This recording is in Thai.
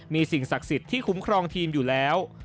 มีสิ่งศักดิ์สิทธิ์ที่คุ้มครองทีมอยู่แล้ว